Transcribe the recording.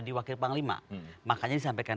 di wakil panglima makanya disampaikan